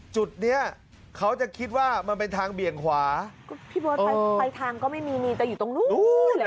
จุดเนี้ยเขาจะคิดว่ามันเป็นทางเบียงขวาแพบปลายทางก็ไม่มีจะอยู่ตรงนู้น